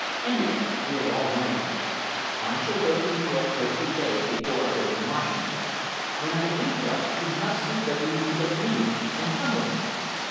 Anyway, we are all right now. I shall be in New York for a few days before I go to Washington. When I do go, you must see whether you can get leave and come with me."